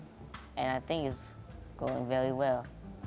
dan saya pikir ini berjalan dengan sangat baik